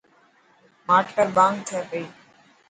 ماٺ ڪر ٻانگ ٿي پئي.